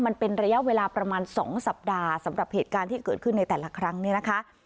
มันเป็นระยะเวลาประมาณ๒สัปดาห์สำหรับเหตุการณ์ที่เกิดขึ้นในแต่ละครั้งเนี่ยนะคะ